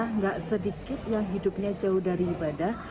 tidak sedikit yang hidupnya jauh dari ibadah